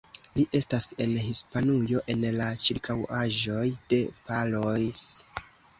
Li estas en Hispanujo, en la ĉirkaŭaĵoj de Palos.